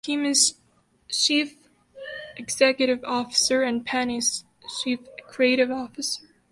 Kim is Chief Executive Officer and Penn is Chief Creative Officer.